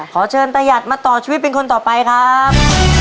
ขอเชิญตะหยัดมาต่อชีวิตเป็นคนต่อไปครับ